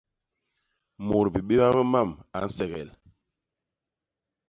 Mut bibéba bi mam a nsegel.